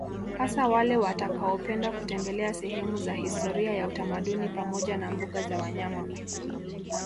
Hasa wale watakaopenda kutembelea sehemu za historia ya utamaduni pamoja na mbuga za wanyama